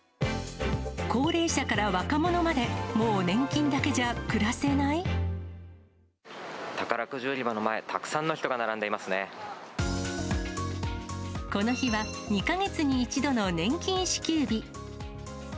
高齢者から若者まで、もう年宝くじ売り場の前、たくさんこの日は、２か月に１度の年金支給日。